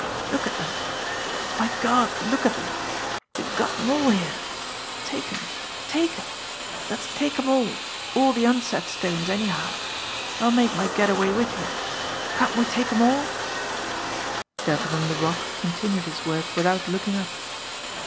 "Look at 'em ! My God, look at 'em ! We've got 'em all here ! Take 'em ! Take 'em ! Let's take 'em all all the unset stones anyhow ! I'll make my get away with you. Can't we take 'em all ?" Gentleman Laroque continued his work without looking up.